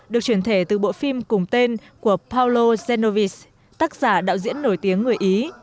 được truyền thể từ bộ phim cùng tên của paolo genovese tác giả đạo diễn nổi tiếng người ý